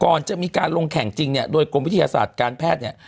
ก่อนจะมีการลงแข่งจริงเนี่ยโดยกรมวิทยาศาสตร์การแพทย์เนี่ย